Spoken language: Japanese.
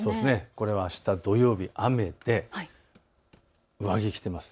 これはあした土曜日、雨で上着を着ています。